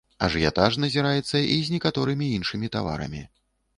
Ажыятаж назіраецца і з некаторымі іншымі таварамі.